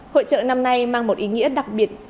hội trợ năm nay mang một ý nghĩa đặc biệt